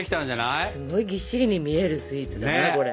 すごいぎっしりに見えるスイーツだなこれ。